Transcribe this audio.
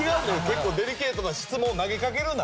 結構デリケートな質問を投げかけるな！